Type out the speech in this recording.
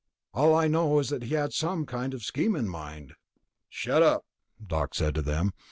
"All I know is that he had some kind of scheme in mind." "Shut up," Doc said to them.